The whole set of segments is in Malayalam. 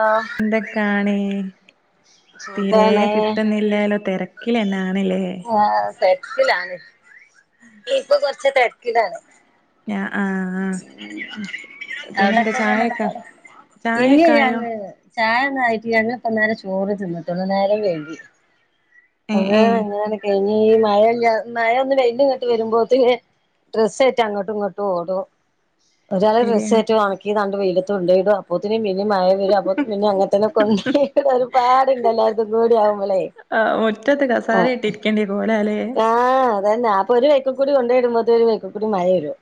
ആ എന്തൊക്കാണ് തിരെ സുഖാണ് കിട്ടുന്നില്ലല്ലോ തിരക്കില ആ തിരക്കിലാണ് ഇപ്പൊ കൊറച്ച തിരക്കിലാണ് ഞാ ആഹ് ആഹ് [unintelligible] പിന്നെന്താ അവിടെക്കെ [inaudible] ചായൊക്കെ ഇന്ന് ചായൊക്കായോ ഞങ് ചായ ഒന്നായിട്ടില്ലാ ഞങ്ങപ്പനേരം ചോറ് തിന്നിട്ടുള്ളൂ നേരം വൈകി ഏ ഏ അങ്ങനെ എങ്ങന കേ ഈ മഴല്ല മഴവെയില് ഇങ്ങോട്ട് വരുമ്പോത്തേക്ക് ഡ്രസ്സ് ആട്ട് അങ്ങോട്ടും ഇങ്ങോട്ടുംഓ [unintelligible] ഒരാള് ശരിയാ ഡ്രസ്സായ്റ്റ് ഒന്നക്കി വൈലത്തുണ്ടോയിടും അപ്പോത്തിന് [inaudible] പിന്ന മഴ വരും അപ്പ പിന്നെ അങ്ങനത്തന്നെ കൊണ്ടോയിടും ഒരുപാടുണ്ടല്ലോ എല്ലാരതും കൂടി ആവുമ്പളെ ആഹ് മുറ്റത്ത് കസാരട്ട് ഇരിക്കേണ്ടി രും ആ അതന്നെ അപ്പൊ ഒരു വൈക്കൽക്കൂടി കൊണ്ടോയിടുമ്പോത്ത ഒരു വൈക്കൽക്കൂടി മഴ വരും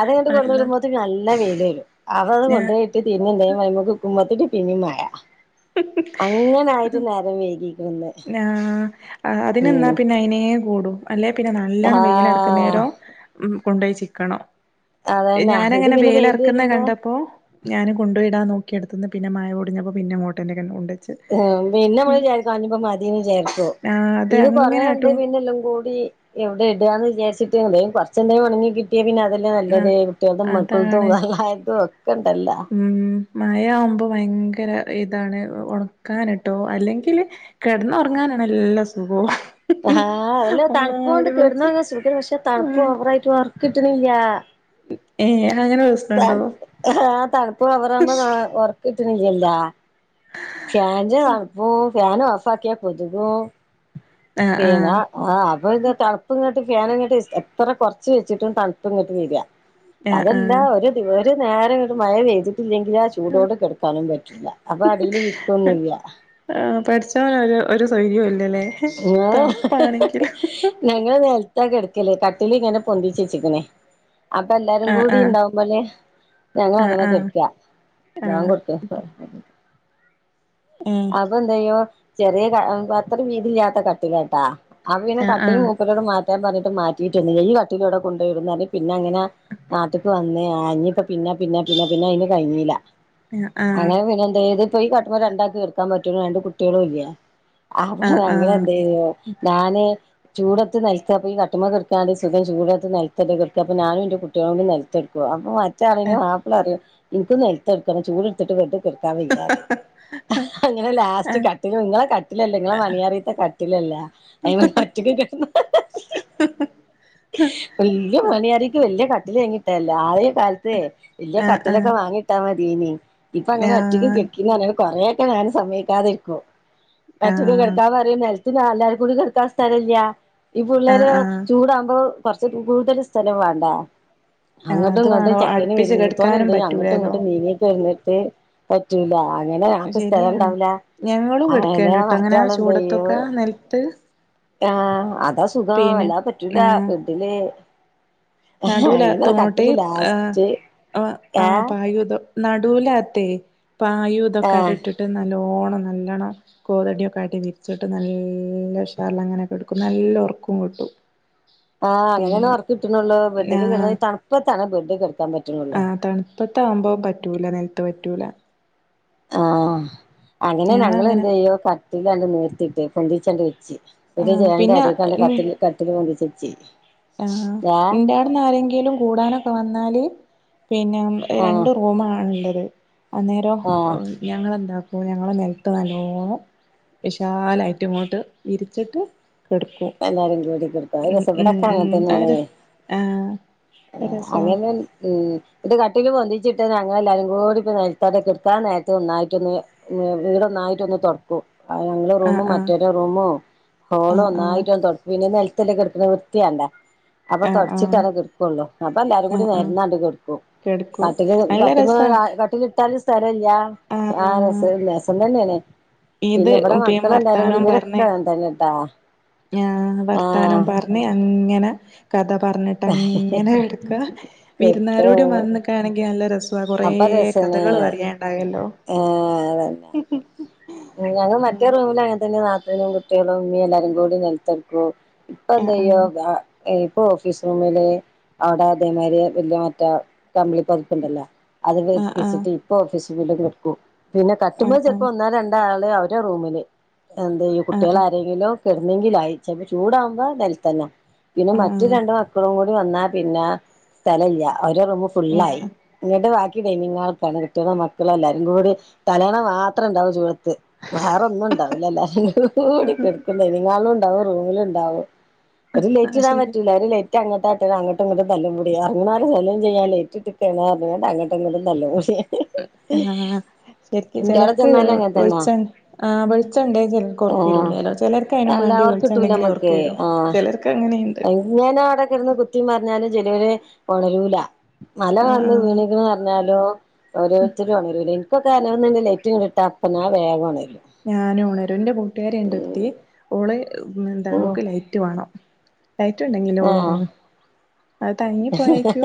അത യ്ന് അള്ള കൊണ്ടരുമ്പോത്തിന് നല്ല വൈലരും അതട് ഞാ കൊണ്ടോയിട്ട് [unintelligible] മ്പത്തിന് പിന്നിം മഴാ [unintelligible] വൈകിക്ക്ണ് ഇന്ന് ആ അതിനെന്നാ ഉം പിന്നെ അയിനെ കൂടും അല്ലെ പിന്നെ നല്ലോണ്ണം ആഹ് വെയിലറക്കുന്നേരം കൊണ്ടോയി ചിക്കണം അതന്നെ ഇത് ഞാനങ്ങനെ പിന്നെ വേല വെയില് ഇറക്കുന്ന വരുമ്പോ കണ്ടപ്പോ ഞാൻ കൊണ്ടോയിടാൻ നോക്കി എട്ത്ത്ന് മഴ പൊടിഞപ്പ പിനെ അങ്ങോട്ടെന്നെ കൊണ്ട് ഉ പിന്നെ നമ്മള് ചേർക്കു അഞ്ഞ്പ മതിന്ന് ചേർക്കോ ആഹ് അത് ഇത് പറയണ്ട് അങ്ങനാട്ടും പിന്നെല്ലും കൂടി എവിടെ ഇടാന്ന് വിചാരിച്ചട്ട് എന്ത കുറച്ചെന്ത ഒണങ്ങി കിട്ടിയ പിന്ന അതില് ആഹ് നല്ലത് കുട്ടികളതും മക്കളതും അതാണ് തള്ളാർതും ഒക്കെണ്ടല്ലൊ ങ്കര ഇതാണ് ഉണക്കാനിട്ടോ അല്ലെങ്കില് കിടന്നുറങ്ങാനാാണ് നല്ലാ സുഖവും ആ അതല്ല തണുപ്പ് കൊണ്ട് മൂടി പൊതച്ച് കെടന്നൂർങ്ങാൻ സുഖണ്ട് പക്ഷെ തണുപ്പ് ഓവറായിട്ട് വർക്ക് നില്ല ഏ ത ആ് തണുപ്പ് ഓവറുമ്പോ ഉറക്കിട്ടണില്ലല്ലാ ഫാൻ്റെ തണപ്പും ഫൻ ഓഫ് ആക്കിയാ കൊതുകും ആഹ് പിന്ന ആഹ് ആ അപ്പൊ ഇത് തണുപ്പ്ങ്ങട്ട് ഫേനങ്ങട്ട് എത്ര കൊർച്ച് വെച്ചിട്ടും തണ്പ്പ്ങ്ങട്ട് വരാ ആഹ് അത ആഹ് [unintelligible] ഒരു നേരംങ്ങട്ട് മഴ പൈതിട്ടില്ലെങ്കിൽ ആ ചൂടോട് കിടക്കാനും പറ്റില്ല അപ്പൊ അടിൽ ആ പാടച്ചോനൊരു ഒരു ശൈര്യവും ഇല്ലല്ലേ ഓ [unintelligible] തണുപ്പാണെങ്കിലും ഞങ്ങൾ നെൽ കെടക്കലേ കട്ടിലങ്ങനെ പൊന്തി ചേച്ചിക്കനെ അപ്പൊ എല്ലാരും ആഹ് കൂടി ആഹ് ഇണ്ടാവുമ്പോലെ ആഹ് ഞങ്ങളങ്ങനെ കെടക്കാ ഞാൻ ആഹ് കൊടുത്ത [unintelligible] ആഹ് അപ്പൊ എന്ത്യ്യും ചെറിയ [unintelligible] അങ്ങിനെ ഏഹ് കട്ടില് ആഹ് മൂപ്പരോട് മാത് [unintelligible] പിന്ന പിന്നെ പിന്നെ പിന്നെ ആഹ് ആഹ് ന് പറ്റ്ണ രണ്ട് കുട്ടികളും ഇല്ലെ അങ്ങനെ ആഹ് ഞങ്ങള് എന്ത്‌ ആഹ് ചെയ്യോ ഞാന് [unintelligible] [unintelligible] ച്ചാ പിന്നെ മാപ്പിള പറയും എനിക്ക് നെൽത്ത് കെഡ്‌ക്ക‌ [unintelligible] ആഹ് ലാസ്റ്റ് ആഹ് കട്ടില നിങ്ങളെ കട്ടിലല്ലേ നിങ്ങളെ മണിയറേൽത്തെ കട്ടിലല്ലേ അയിനുമ്മേൽ ഒറ്റക്ക് കെടന്നോ [unintelligible] [unintelligible] [unintelligible] വല്യ പണിയാരിക്കൂല്ല് വലിയ കട്ടില് വാങ്ങിട്ടല്ലേ ആദ്യ കാലത്ത് വലിയ ആഹ് ആഹ് കട്ടിലൊക്കെ വാങ്ങിട്ടാ മതീന് ഇപ്പങ്ങനെ ആഹ് ഒറ്റക്ക്‌ ആഹ് കിട്ടിന്നറിയുമ്പോ കൊറെയൊക്കെ ഞാന് സമ്മയിക്കാതിരിക്കും. ഒറ്റക്ക് ആഹ് കിടത്താൻ പറയും. നിലത്തു ഞാ എല്ലാവര്ക്കും കൂടി കിടക്കാൻ സ്ഥലല്ല്യ ഈ പുള്ളേര് ആഹ് ആഹ് ചൂടാകുമ്പോ കൊറച്ച് കൂടുതൽ സ്ഥലം വാണ്ടെ ആഹ് അങ്ങട്ടും അത് ഇങ്ങട്ടും വേണം ചെക്കന് അടുപ്പിച്ച് വരും മൂത്തോന് കെടക്കാനും എന്ത്‌യും അങ്ങോട്ടും പറ്റൂലല്ലോ ഇങ്ങോട്ടും നീങ്ങിയൊക്കെ [unintelligible] ദേ പറ്റൂല അങ്ങനെ [unintelligible] ശരിയാണ് സ്ഥലണ്ടാവൂല്ല ഞങ്ങളും അങ്ങനെ കെടക്കേണ്ട്ട്ടോ അങ്ങനെ മറ്റാള് എന്ത്‌ ചെയ്യു ചൂടത്തൊക്കെ നെൽത്ത് ആ അതാ സുഖം പിന്നെ അല്ലാതെ പറ്റൂല ബെഡില് അങ്ങനെ നടൂല്ലാത്തോണ്ടി കട്ടില് [unintelligible] ലാസ്റ്റ് ആ ആ ഏഹ് പായില് നടൂല്ലാത്തെ പായും ഇതൊക്കെ ആഹ് ണ്ടിട്ടിട്ട് [unintelligible] [unintelligible] നല്ലണം കോതടിയൊക്കെയായിട്ട് വിരിച്ചിട്ട് നല്ല ഉഷാറിലങ്ങോ ആഹ് അങ്ങനെണ് ഒർക്ക് കിട്ട്ണൊള്ളു ബെഡില് കിടന്ന് തണുപ്പ് തണുപ്പ് [unintelligible] ആ തണുപ്പത്ത ആകുമ്പോ പറ്റൂല നിലത്ത് പറ്റൂല. ആഹ് അങ്ങനെ ഞങ്ങൾ ഞങ്ങളങ്ങനെ എന്ത് ചെയ്യും കട്ടിലാണ്ട് നീർത്തിട്ട് പൊന്തിച്ചണ്ട് വെക്കും ആ ഇവിടെ ഒരു ജനലിന്റെ പിന്നെ അരൂക്കണ്ട് ഉം കത്തില് കത്തി പൊന്തിച്ച് വെച്ചി ആ എന്റെ അടുന്ന് ആരെങ്കിലും കൂടാനൊക്കെ വന്നാല് പിന്നെ ആഹ് രണ്ട് റൂമാണ് ള്ളത് അന്നേരം ആഹ് ഞങ്ങെളെന്താക്കും ഞങ്ങൾ നിലത്ത് നല്ലോം വിശാലായിട്ട് ഇങ്ങോട്ട് വിരിച്ചിട്ട് കെടക്കും പ്പ എല്ലാരും കൂടി കെടുക്കും അത് ഉം രസ ഉം [unintelligible] ഉം അത് അങ്ങനത്തന്നെണ് ര ആ രസാ അങ്ങന ഉ [unintelligible] ദ് കട്ടില് പൊന്തിച്ചിട്ട് ഞങ്ങ എല്ലാരും കൂടി [unintelligible] ന്നായിട്ട് ഒന്ന് തുടക്കും ഞങ്ങളെ ആ റൂമും ആ മറ്റോരെ റൂമും ആ ഹോളും ആ ഒന്നായി പിന്നെ നെലത്തല്ല കെടുക്കുണു വൃത്തിയാണ്ടെ? അപ്പൊ ആ ആ തൊടച്ചിട്ടാണ് കിടക്കോള്ളു അപ്പൊ എല്ലാരും ആ കൂടി ആ നെരന്നണ്ട് കെടുക്കും. കെടക്കും കട്ടില് നല്ല രസാ [unintelligible] കട്ടില് ഇട്ടാലും സ്ഥല യ്യാ ആ രസം രസം തന്നേണ് ഇത് പിന്നെ ഇവിടെ പി മക്കളെല്ലാരും കൂടി വർത്താനം ഇവരൊക്കെ ങ്ങനെതന്നെട്ടാ ആ വർത്താനം പറഞ്ഞ് അങ്ങനെ കഥ പറഞ്ഞ പറഞ്ഞിട്ട് അങ്ങനെ കെടുക്ക വിരുന്നാരോടി കെടക്കും വന്നക്കാണെങ്കി നല്ല രസം കൊറ കൊറേ അപ്പൊ രസാണ് കഥകൾ പറിയാനണ്ടാവല്ലോ ഞങ്ങളും മറ്റേ റൂമില് അങ്ങനെ തന്നെ നാത്തൂനും കുട്ടികളും ഉമ്മി എല്ലാരും കൂടി നെലത്തെടുക്കും. ആഹ് [unintelligible] ഇപ്പ ഓഫീസ് റൂമില് അവിടെ അതേമാരി വലിയ മറ്റ കമ്പിളി പൊതപ്പുണ്ടല്ലോ അത് ആഹ് ആഹ് വിരിപ്പിച്ചിട്ട് ഇപ്പ ഓഫീസിലും. [unintelligible] പിന്നെ കട്ടുമ്മേ ആഹ് ചിലപ്പോ ആഹ് ഒന്നാ രണ്ട നിങ്ങള് അവരെ ആഹ് ആഹ് ഒറ കെടുന്നെങ്കിലായി ആയി ചെലപ്പോ ചൂടാകുമ്പോ നിലത്തന്ന പിന്നെ മറ്റു ആഹ് രണ്ടും മക്കളും കൂടി വന്നാ പിന്ന സ്ഥലല്ല ഒരു റൂമ് ആഹ് ഫുള്ളായി ആഹ് [unintelligible] ഇത് കയിഞ്ഞ് [unintelligible] മക്കളെല്ലാരും കൂടി തലണ മാത്രണ്ടാവും വേറൊന്നുംണ്ടാവില്ല എല്ലാരും കൂടികെടക്കുന്ന [unintelligible] റൂമിലുണ്ടാവും ഒര് ആഹ് ലൈറ്റിടാൻ ശെരിയാ പറ്റൂല ഒര് ലൈ റ്റങ്ങട്ടാട്ട്ന അങ്ങോട്ടു ഇങ്ങൊട്ടും തല്ലുംകൂടി അങ്ങാടും തല്ലും [unintelligible] ആ ശരിക്ക്‌ ഇന്റോടെ ചെലർക്ക് ചെന്നാലും അങ്ങൻ വെളി തന്നാ ച്ച ആ വെളിച്ചണ്ടേയിവർക്ക് ആഹ് ഒറക്കരുലല്ലോ ചെലർക്ക് അയിനും വാണ്ടി വെളിച്ചണ്ടെങ്കിലേ ഒറക്കരൂ. എങ്ങനാ അവടെക്കെടന്ന് കുത്തി മറഞ്ഞാലും ചെലേര് ഒണരൂല. മല ആഹ് വന്ന് ആഹ് വീണിന്ന് പറഞ്ഞാലും ഓരോരുത്തരു ഒണരൂലേ. ഇപ്പക്കാരെങ്കിലും വന്ന് ലൈറ്റങ്ങിടിട്ടാ അപ്പ ഞാൻ വേഗോണരും. ഞാനുണരും ന്റെ കൂട്ടുകാരി ഒണ്ടൊരുത്തി ഓള് എന്താണ് ഉം ഓക്ക് ലൈറ്റ് വേണം. ലൈറ്റുണ്ടങ്കിലെ ആഹ് ഓളോറങ്ങു. അതങ്ങി പോയക്കു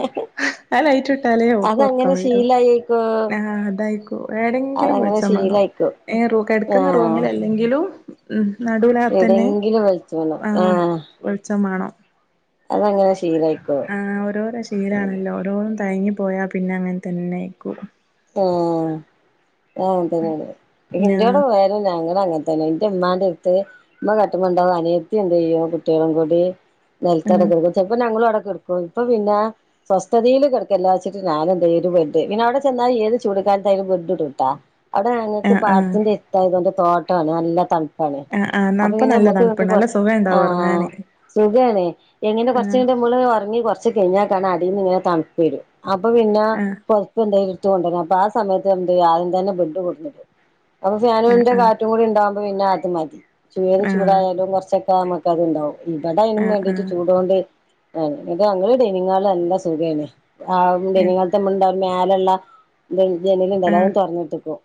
ആ ലൈറ്റ് ഇട്ടാലോ ഓക്ക് ഒറക്കം അതങ്ങനെ വരൂ ശീലായിക്കോ ആ ണ്ടായിക്കോ ഏടേങ്കിലും അതങ്ങനെ വെളിച്ചംമേണം ശീലായിക്കോ ഏ റൂ കെടക്കുന്ന ആഹ് റൂമിലല്ലെങ്കിലും ഉം നടുവിലാത്തന്നെ എവിടെങ്കിലും വെച്ച് വീണു ആ വെളിച്ചം മേണം. അതെങ്ങനെ ശീ ആ ഓരോരോ ശീലാണല്ലോ ഓരോന്നും തയങ്ങി പോയാ പിന്നെ അങ്ങനെ തന്നെ ആയിക്കൂ. ആ ആ തന്നെണ് ഇന്റടെ ആഹ് പോയാലും ഞങ്ങള് അങ്ങനത ന്റെ ഉമ്മാന്റടുത്ത് ഉമ്മ കട്ടുമ്മണ്ടാവും അനിയത്തി എന്ത് ചെയ്യും കുട്ടികളും കൂടി ആഹ് നെൽത്തവടക്കെടക്കും ചെലപ്പോ ഞങ്ങളുവടെ കെടക്കും ഇപ്പ പിന്ന സ്വസ്ഥതയിൽ കെടക്കാല്ലാച്ചിട്ട് ഞാനന്തേയ്യും ഒരു ബഡ് പിന്നവടെ ചെന്നാൽ ഏത് ചൂടുകാൽത്തായാലും ബെഡുടുട്ടാ അവിടെ ഞങ്ങക്ക് ആഹ് ആഹ് പാടത്തിന്റെടുത്തായതൊണ്ട് തോട്ടാണ് നല്ല തണുപ്പാണ് ആഹ് ആഹ് അപ്പൊ അപ്പപ്പിന്നെ നല്ല മ്മക്ക് വേണ്ടി തണുപ്പുണ്ട് കൊർ നല്ല സുഖം ആ ഉണ്ടാവും ഉറങ്ങാന് സുഖാണ് എങ്ങനെ ആഹ് കൊറച്ചഴിഞ്ഞിട്ട് മ്മള് ഒറങ്ങി കൊറച്ച് കഴിഞ്ഞ കാരണം അടിന്നിങ്ങനെ തണുപ്പെരും അപ്പപ്പിന്ന ആഹ് പൊതപ്പെന്തേലും ത്തുകൊണ്ടര അപ്പ ആ സമേത്തെന്തെയ്യും ആദ്യം തന്നെ ബെഡ് കൊണ്ടിന്നിടും അപ്പ ആഹ് ഫാനുന്റെ കാറ്റും കൂടി ഉണ്ടാവുമ്പോ പ്പപിന്നെ അത് മതി ചൂ ഏത് ആഹ് ചൂടായാലും കൊറച്ചൊക്കെ അമ്മക്കത്ണ്ടാവും. ഇവടെ അയിനും ആഹ് വേണ്ടീട്ട് ആഹ് ചൂടോണ്ട് [unintelligible] എന്താ സുഖയ്ന്. ആണ്ട് ആഹ് ആഹ് നിങ്ങൾത്തമുണ്ടര്ന്ന മേലെള്ള ജനല്ണ്ടല്ലോ അതും ആഹ് തൊറന്നിട്ടിക്കും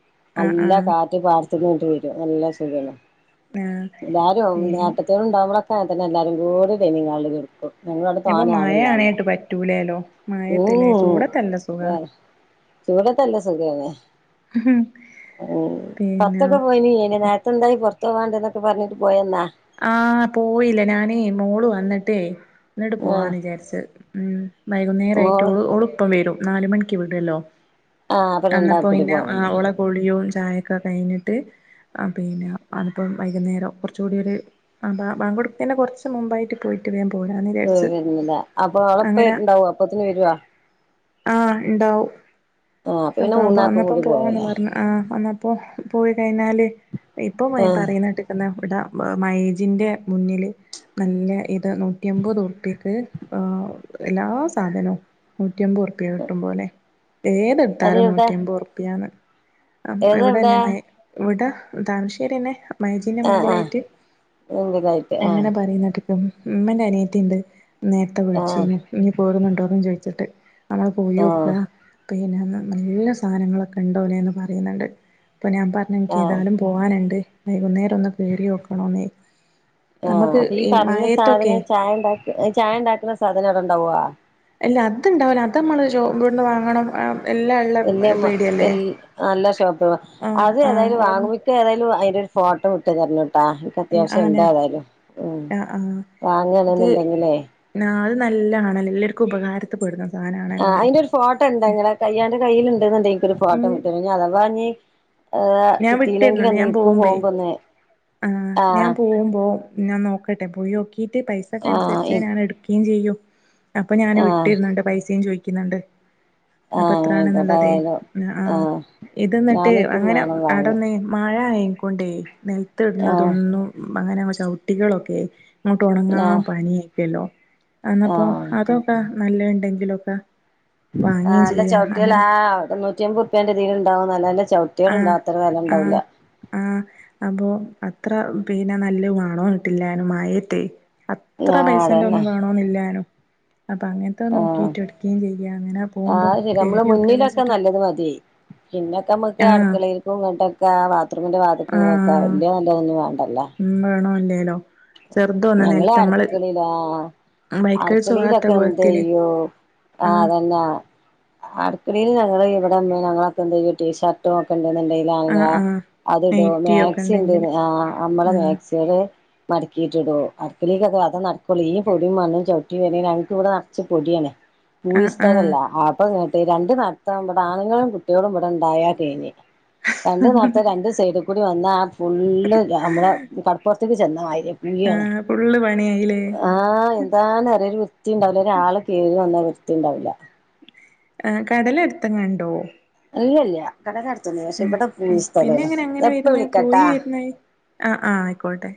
ആഹ് നല്ല ആഹ് കാറ്റ് പാടത്തിന്നിങ്ങട്ട് വെരും നല്ല സുഖാണ്. ആഹ് എല്ലാരോം പിന്നെ ഏട്ടത്തികള്ണ്ടാവമ്പളക്കെ ഇതന്നെ എല്ലാരും കൂടി ഡൈനിംഗ് ഹാളില് കെടക്കും. നിങ്ങളടെ ഇപ്പൊ തോനെ മഴ ആളില്ലാല്ലേ ആണേട്ട് പറ്റൂലേലോ മഴയത്തില്ലേ ഉം ചൂടത്തല്ല സുഖാ ചൂടത്തല്ലേ സുഖാണ്. ഉം പിന്നെ പൊറത്തൊക്കെ പോയിനി നേരത്തെന്തായി പൊറത്ത് പോകണ്ടന്നൊക്കെ പറഞ്ഞിട്ട് പോയന്നാ? ആ പോയില്ല ഞാനേ മോള് വന്നിട്ടേ ന്നിട്ട് ആഹ് പോവാന്നിചാരിച്ച് ഉം വൈകുന്നേരായിട്ട് മോള് ഓള് ഓളിപ്പം വെരും. നാല് മണിക്ക് വിട്ല്ലോ ആഹ് അപ്പൊ എന്നപ്പോ രണ്ടാക്കും കൂടി ഇന്ന ആ പോവല്ലേ ഓളെ കുളിയും ചായക്കെ കഴിഞ്ഞിട്ട് ആ പിന്നെ അതിപ്പം വൈകുന്നേരം കൊറച്ച് കൂടി ഒര് ആ ബാ ബാങ്കൊടുത്തെനെ കൊറച്ച് മുമ്പായിട്ട് പോയിട്ട് വേം വരുന്നില്ല അപ്പൊ ഓളെപ്പണ്ടാവോ അപ്പൊത്തിന് വെരുവാ? ആ ഇണ്ടാവും ആഹ് അപ്പൊ അപ്പ പിന്നെ പ്പ മൂന്നാക്കും അന്നപ്പം കൂടി പോവാന്ന് പോവലാ പറഞ്ഞ ആ അന്ന ഇപ്പോ പോയി കഴിഞ്ഞാല് ഇപ്പ ആഹ് പറയുന്നേട്ടിക്കല്ലോ ടാ മൈജിന്റെ മുന്നില് നല്ല ഇത് നൂറ്റിമ്പത് ഉറുപ്പിക്ക് ആ എല്ലാ സാധനോം നൂറ്റിമ്പത് ഉറുപ്പ്യ കിട്ടും പോലെ. അത് ഏതെടുത്താലും എവിടെ നൂറ്റിമ്പത് ഉറുപ്പിയാണ് ഏതാ എവിടെ ഇവടന്നെ മൈ ഇവട താമരശേരിന്നെ മൈജിന്റെ ആഹ് ആഹ് മുമ്പിലായിട്ട് മുമ്പിലായിട്ട് ആ കിട്ടും മ്മേന്റെ അനിയത്തിണ്ട് നേരത്തെ ആഹ് വിളിച്ചീനു നീ പോരുന്നുണ്ടോന്നും ചോദിച്ചിട്ട്. ഞങ്ങള് പോയോക്ക ആഹ് പിന്നെ നല്ല സാനങ്ങളൊക്കെ ഉണ്ടോലേന്ന് പറയുന്ന്ണ്ട്. അപ്പ ഞാൻ പറഞ്ഞുനിക്ക് ആഹ് ഏതാലും പോകാനൊണ്ട് വൈകുന്നേരം ഒന്ന് കേറി വോക്കണോന്ന്. ആ അപ്പൊ ഈ പറഞ്ഞ മഴയത്തൊക്കെ സാധനം ചായ ഉണ്ടാക്ക ചായ ഉണ്ടാക്ക്ണ സാധനം അവിട്ണ്ടാവുവാ അല്ല അത്ണ്ടാവുല അത് നമ്മള് [unintelligible] വിട്ന്ന് വാങ്ങണം ങ് [unintelligible] വെൽ നല്ല ഷോപ്പ് [unintelligible] ആഹ് അത് ആഹ് ഏതായാലും അവിടുന്ന് വാങ്ങുമിക്ക ഏതായാലും ഫോട്ടോ വിട്ട് തരണ ട്ടാ ക്ക് അത്യാവശ്യം ആന ഉണ്ടെതായാലും ഉം ആഹ് ആഹ് വാങ്ങണന്ന്ണ്ടെങ്കിലേ നല്ല [unintelligible] ല്ലർക്കും ഉപകാരത്ത്പ്പെടുന്ന ആ അയിന്റെ ഒരു ഫോട്ടൊണ്ടൊ ങ്ങടെ [unintelligible] കയ്യിൽ ഇണ്ട്ന്നിണ്ടെങ്കി എനിക്കൊരു ഫോട്ടോ ഉം വിട്ടു [unintelligible] അഥവാ ഇനി ഏ ഞാൻ കിട്ടിയില്ലെങ്കിൽ വിട്ടരുന്നുണ്ട് എന്ന് ഞാൻ നിക്കു പോകുമ്പേ പോകുമ്പോന്ന് ആ ഞാൻ പോവുമ്പോ ഞാൻ നോക്കട്ടെ പോയൊ [unintelligible] പൈസക്കൻസര്ചെ ആഹ് ഞാൻ എട്കീ ചെയ്യു അപ്പൊ ഞാൻ ആഹ് വിട്ടിരുന്നുണ്ട് പൈസയും ചോയി ക്കിന്നുണ്ട് ആഹ് അപത്രാണ് ആയിക്കോട്ടെ ന്നള്ളതെ ഏതായാലും ഉം ആ ആഹ് ഇതെന്നിട്ട് ഞാനിക്കും അങ്ങനെ വേണം വാങ്ങാൻ അടന്ന് മഴ ആയിൻ കൊണ്ടേ ആഹ് നൽത്തിടുന്നതൊന്നും മങ്ങനങ്ങ ചവിട്ടികളൊക്കെ അങ്ങോട്ട് ഉണങ്ങാൻ ആഹ് പണിയാക്കല്ലോ എന്നപ്പോ ആഹ് അതൊക്കെ നല്ല ഉണ്ടെങ്കിലൊക്കെ ആ വാങ്ങുകയും ല്ല ചെയ്യാം ചോട്ടികളാ അങ്ങനെ ആ നൂറ്റിയമ്പറുപ്പ്യേന്റെ തില് ഉണ്ടാവും നല്ലല്ല ചവിട്ടികൾ ണ്ട്, ആഹ് അത്ര ആഹ് വെലണ്ടാവുല്ല. ആഹ് അപ്പൊ അത്ര പിന്നെ നല്ല വണോന്നിട്ടില്ലാനു മയേത്തേ അത്ര ആ പൈസന്റെ അതന്നെ ഒന്നും വേണോന്നില്ലനു അപ്പ അങ്ങൻത്ത ആ നോകീട്ട് എട്കീചെയ്യ അങ്ങന ആ ശരി നമ്മള മുന്നിലൊക്കെ നല്ലത് മതി പിന്നൊക്കെ മക്ക് ആഹ് അടുക്കളീൽക്കും ഇങ്ങോട്ടൊക്കെ ബാത്ത്റൂമിൻ്റെ വാത്ക്ക് വക്ക ആഹ് വലിയ നല്ല ത [inaudible] വേ ഉം വേണോല്ലേലോ ഞങ്ങള് അടുക്കളിലാ ബൈക്കഴിച്ച് പോവാത്ത അടുക്കളിയിലൊക്കെ കോലത്തില് ന്തയ്യോ ആ ആഹ് തന്നെ അടുക്കളില് ഞങ്ങള് ഇവിടന്നെ ഞങ്ങളൊക്കെന്തെയ്യുടി ഷർട്ടും ഒക്ക ണ്ടന്ന്ണ്ടേല് ആണുങ്ങള ആഹ് ആഹ് അതിടും, നൈറ്റി ഒക്കെ മാക്സി ഉണ്ടെങ്കില് [unintelligible] ആ മ്മളെ ആഹ് മാക്സിടും മടകീറ്റിടും. അടക്കളീലത അതെ നടക്കോള്ളൂ, ഈ പൊടും മണ്ണും ചവിട്ടി വരണേല്, ഞങ്ങക്കിവ്ടെ നർച്ച് പൊടിയാണ്. പൂയി ആഹ് ആഹ് സ്ഥലല്ല ആപ്പൊ രണ്ട് നടത്തം വ്ട ആണുങ്ങളും കുട്ടികളും ഇവ്ടണ്ടായ കഴിഞ്ഞ് രണ്ടു നടത്തം രണ്ടു സൈഡി കൂടി വന്ന ആ ഫുള്ള് നമ്മള കടപ്പുറത്തേക്ക് ചെന്നമായി ആ പുള്ള് [inaudible] ആ എന്താണ് അറ ഒരു വൃത്തി ണ്ടാവില്ല, ഒരാള് കേറിവന്നാ വൃത്തി ണ്ടാവില്ല. ഏ കടല് എടുത്ത്ങ്ങണ്ടോ ല്ല ല്ല്യ കടല് അടു [inaudible] പക്ഷേ ഇവിട ഉം പിന്നെ പൂയിസ്ഥലല്ല, എങ്ങനെ അങ്ങനെ നാപ്പ വരുന്നേ പോയി വിളിക്കാട്ടാ. വരുന്നേ ആ ആ ആയിക്കോട്ടെ